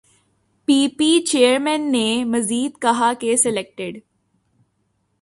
پی P chairman نے مزید کہا کہ سلیکٹڈ